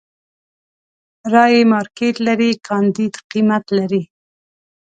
رايې مارکېټ لري، کانديد قيمت لري.